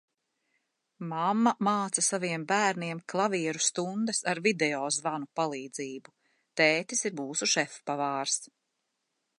Mamma māca saviem bērniem klavieru stundas ar video zvanu palīdzību. Tētis ir mūsu šefpavārs.